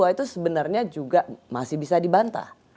bahwa itu sebenarnya juga masih bisa dibantah